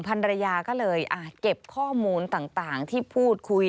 ภรรยาก็เลยอาจเก็บข้อมูลต่างที่พูดคุย